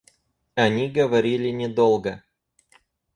Они говорили недолго.